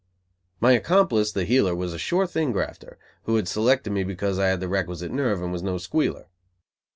My accomplice, the heeler, was a sure thing grafter, who had selected me because I had the requisite nerve and was no squealer.